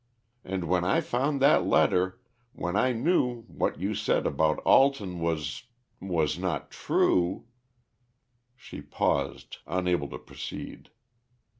And when I found that letter, when I knew what you said about Alton was was not true " She paused unable to proceed.